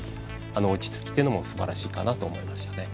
あの落ち着きというのもすばらしいなと思いましたね。